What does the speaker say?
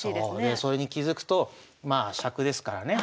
それに気付くとまあしゃくですからね。